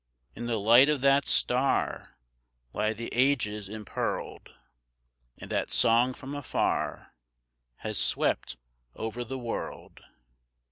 In the light of that star Lie the ages impearled; And that song from afar Has swept over the world.